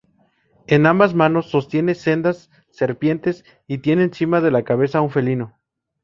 En ambas manos sostiene sendas serpientes y tiene encima de la cabeza un felino.